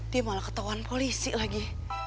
dia malah ketahuan polisi lagi